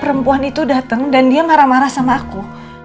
perempuan itu datang dan dia marah marah sama aku